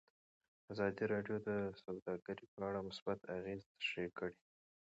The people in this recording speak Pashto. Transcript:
ازادي راډیو د سوداګري په اړه مثبت اغېزې تشریح کړي.